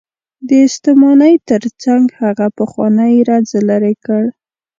د ستومانۍ تر څنګ هغه پخوانی رنځ لرې کړ.